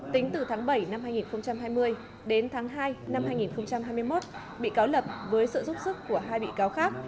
tính từ tháng bảy năm hai nghìn hai mươi đến tháng hai năm hai nghìn hai mươi một bị cáo lập với sự giúp sức của hai bị cáo khác